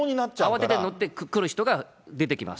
慌てて乗ってくる人が出てきます。